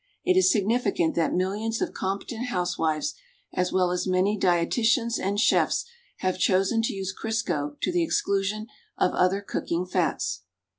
It is sig nificant that millions of competent housewives as well as many dietitians and chefs have chosen to use Crisco to the exclusion of other cooking fats.